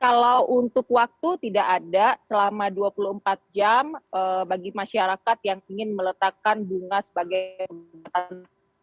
kalau untuk waktu tidak ada selama dua puluh empat jam bagi masyarakat yang ingin meletakkan bunga sebagai